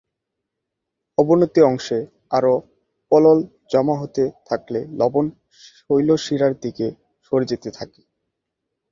অবনতি অংশে আরও পলল জমা হতে থাকলে লবণ শৈলশিরার দিকে সরে যেতে থাকে।